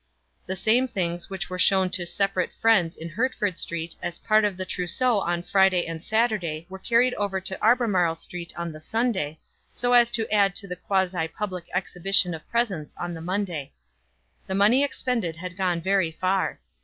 The same things which were shown to separate friends in Hertford Street as part of the trousseau on Friday and Saturday were carried over to Albemarle Street on the Sunday, so as to add to the quasi public exhibition of presents on the Monday. The money expended had gone very far.